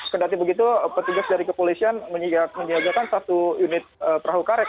kedati begitu petugas dari kepolisian menyiagakan satu unit perahu karet